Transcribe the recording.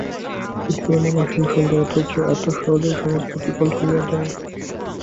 পৃথিবী এমন অসীম সুন্দর অথচ এত সহজেই সমস্ত বিকল হইয়া যায়।